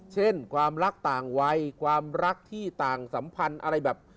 เช่นความรักต่างวัยความรักที่ต่างสัมพันธ์อะไรแบบ